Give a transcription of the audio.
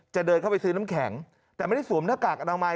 เดินเข้าไปซื้อน้ำแข็งแต่ไม่ได้สวมหน้ากากอนามัย